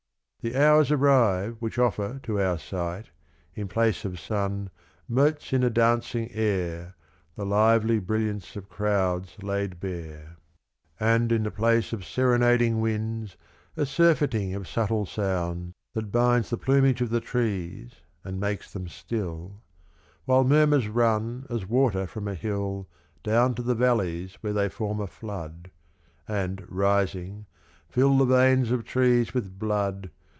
The hours arrive which offer to our sight In place of sun motes in a dancing air The lively brifliance of crowds laid bare, 72 Et in Arcadia, Omnes. And in tlu" place of serenading winds, A surfeiting of subtle sound, that binds The plumage of the trees and makes them still, WhiK murmurs run as water from a hill Down to the valleys where they form a flood. And rising, fill the veins of trees with blood.